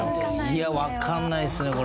いやわかんないですね。